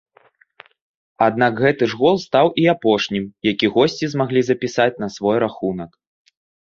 Аднак гэты ж гол стаў і апошнім, які госці змаглі запісаць на свой рахунак.